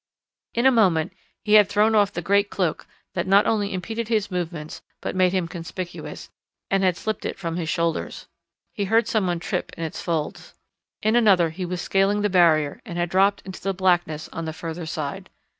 In a moment he had thrown off the great cloak that not only impeded his movements but made him conspicuous, and had slipped it from his shoulders. He heard someone trip in its folds. In another he was scaling the barrier and had dropped into the blackness on the further side.